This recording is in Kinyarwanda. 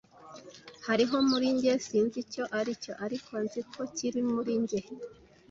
Hariho muri njye - sinzi icyo aricyo - ariko nzi ko kiri muri njye.